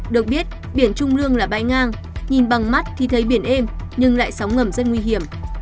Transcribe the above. được biết biển trung lương là bãi ngang nhìn bằng mắt thì thấy biển êm nhưng lại sóng ngầm rất nguy hiểm